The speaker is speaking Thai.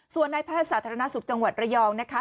ส่วนนายแพทย์สาธารณสุขจังหวัดระยองนะคะ